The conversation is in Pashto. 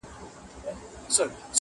او پوره د خپلي میني مدعا کړي٫